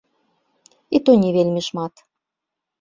І то не вельмі шмат.